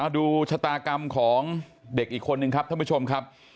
ดูชะตากรรมของเด็กอีกคนนึงครับท่านผู้ชมครับ